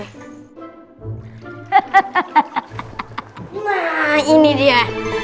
nah ini dia